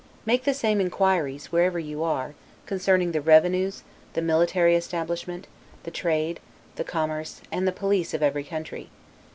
Make the same inquiries, wherever you are, concerning the revenues, the military establishment, the trade, the commerce, and the police of every country.